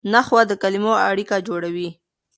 نحوه د کلیمو اړیکه جوړوي.